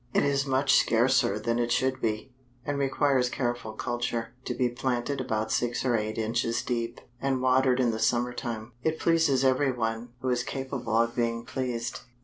It is much scarcer than it should be, and requires careful culture, to be planted about six or eight inches deep, and watered in the summer time. It pleases every one who is capable of being pleased."